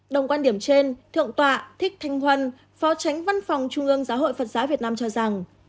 đồng quan điểm trên thượng tọa thích thanh huân phó tránh văn phòng trung ương giáo hội phật giáo việt nam cho rằng